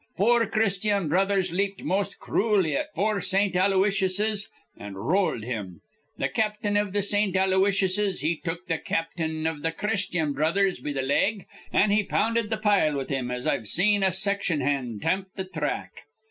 Four Christyan Brothers leaped most crooly at four Saint Aloysiuses, an' rolled thim. Th' cap'n iv th' Saint Aloysiuses he took th' cap'n iv th' Christyan Brothers be th' leg, an' he pounded th' pile with him as I've seen a section hand tamp th' thrack.